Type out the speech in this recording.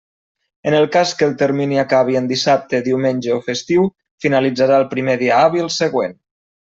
En el cas que el termini acabi en dissabte, diumenge o festiu, finalitzarà el primer dia hàbil següent.